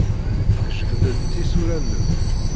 Jbed-d tisura-nnem.